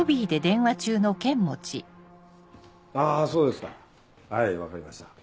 あぁそうですかはい分かりました。